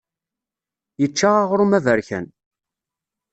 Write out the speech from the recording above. Yečča aɣrum aberkan.